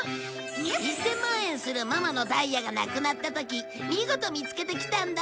１０００万円するママのダイヤがなくなった時見事見つけてきたんだ。